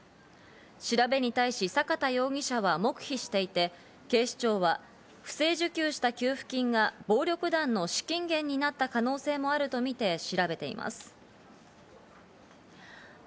調べに対し坂田容疑者は黙秘していて、警視庁は不正受給した給付金が暴力団の資金源になった可能性もあるとみて調べています。